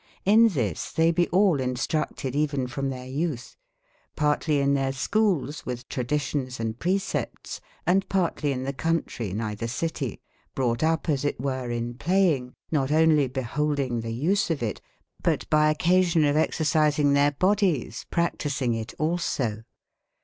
In tbistbeybeallins/ true ted even from tbeiryoutb: parte/ lie in tbeir scboles with traditions & pre/ ceptes, and partlie in tbe countrey nigbe tbe citie, brought up as it were in play inge, not onely beholding the use of it, but by occasion of exercisin g their bodies practising it also.